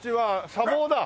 茶房だ！